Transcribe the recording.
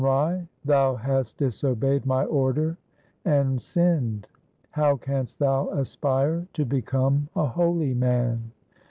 3i2 THE SIKH RELIGION Rai, thou hast disobeyed my order and sinned. How canst thou aspire to become a holy man